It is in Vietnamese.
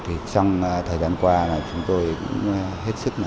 thì trong thời gian qua là chúng tôi cũng